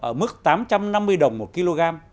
ở mức tám trăm năm mươi đồng một kg